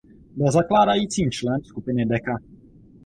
Byl zakládajícím členem skupiny Decca.